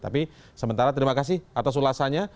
tapi sementara terima kasih atas ulasannya